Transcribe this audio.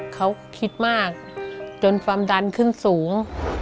เขาคิดมากจนความดันขึ้นสูง